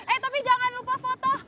eh tapi jangan lupa foto